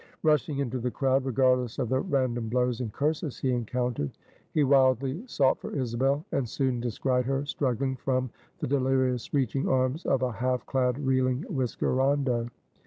Rushing into the crowd, regardless of the random blows and curses he encountered, he wildly sought for Isabel, and soon descried her struggling from the delirious reaching arms of a half clad reeling whiskerando.